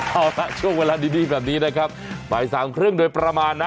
เอาละช่วงเวลาดีแบบนี้นะครับบ่ายสามครึ่งโดยประมาณนะ